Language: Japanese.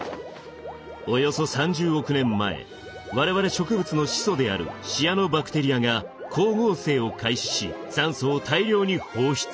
およそ３０億年前我々植物の始祖であるシアノバクテリアが光合成を開始し酸素を大量に放出。